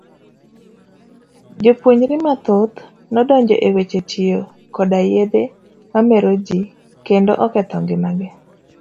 Jopuonjre mathoth nodonjo e weche tiyo koda yedhe mameroji kendo oketho ng'ima gi.